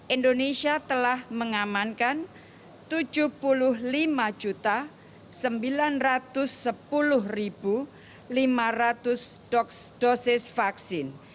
indonesia telah mengamankan tujuh puluh lima sembilan ratus sepuluh lima ratus dosis vaksin